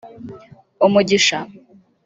umugisha